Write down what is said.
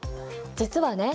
実はね